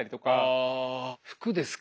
あ服ですか。